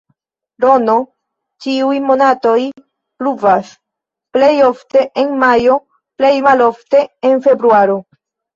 Rn ĉiuj monatoj pluvas, plej ofte en majo, plej malofte en februaro.